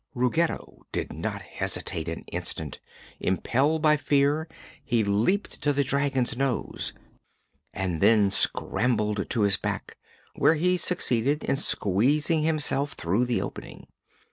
Ruggedo did not hesitate an instant. Impelled by fear, he leaped to the dragon's nose and then scrambled to his back, where he succeeded in squeezing himself through the opening.